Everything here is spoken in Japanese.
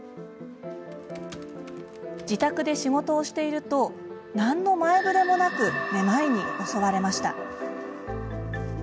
自宅で仕事をしていると何の前触れもなくめまいに襲われました。